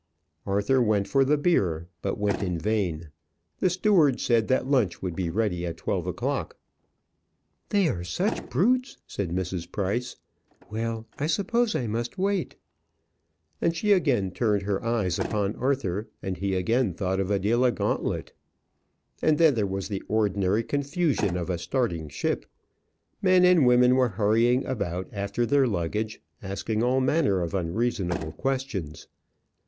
Arthur went for the beer; but went in vain. The steward said that lunch would be ready at twelve o'clock. "They are such brutes!" said Mrs. Price. "Well, I suppose I must wait." And she again turned her eyes upon Arthur, and he again thought of Adela Gauntlet. And then there was the ordinary confusion of a starting ship. Men and women were hurrying about after their luggage, asking all manner of unreasonable questions.